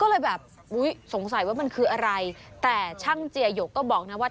ก็เลยแบบอุ๊ยสงสัยว่ามันคืออะไรแต่ช่างเจียหยกก็บอกนะว่า